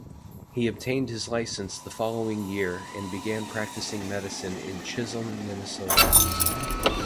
He obtained his license the following year and began practicing medicine in Chisholm, Minnesota.